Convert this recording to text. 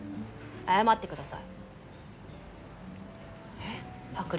謝ってください！